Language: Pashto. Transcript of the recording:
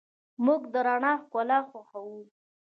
موږ د رڼا ښکلا خوښو.